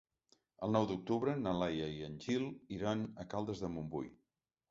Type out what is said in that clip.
El nou d'octubre na Laia i en Gil iran a Caldes de Montbui.